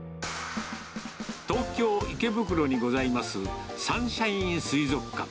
東京・池袋にございますサンシャイン水族館。